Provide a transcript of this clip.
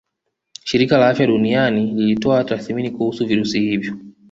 Shirika la Afya Duniani lilitoa tathmini kuhusu virusi hivyo